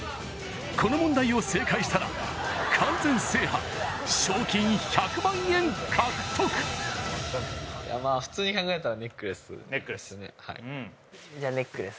この問題を正解したら完全制覇賞金１００万円獲得いやまあ普通に考えたらネックレスネックレスうんじゃネックレス？